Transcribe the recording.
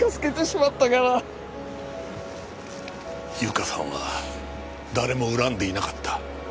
ゆかさんは誰も恨んでいなかった。